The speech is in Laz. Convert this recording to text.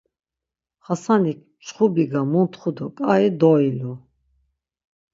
Xasanik mçxu biga muntxu do ǩai doilu.